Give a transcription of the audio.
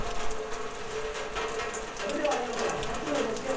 それでは今から２つの動きをご紹介します。